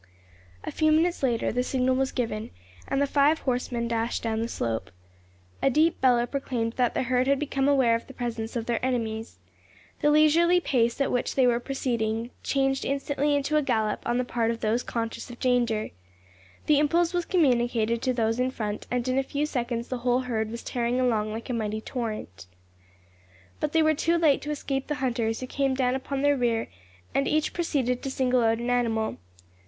A few minutes later the signal was given, and the five horsemen dashed down the slope. A deep bellow proclaimed that the herd had become aware of the presence of their enemies. The leisurely pace at which they were proceeding changed instantly into a gallop on the part of those conscious of danger. The impulse was communicated to those in front, and in a few seconds the whole herd was tearing along like a mighty torrent. But they were too late to escape the hunters, who came down upon their rear, and each proceeded to single out an animal.